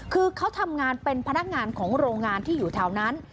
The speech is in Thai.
คือเขาทำงานเป็นพนักงานของโรงงานที่อยู่แถวนั้น